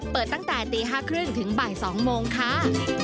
เปิดตั้งแต่ตี๕๓๐ถึงบ่าย๒โมงค่ะ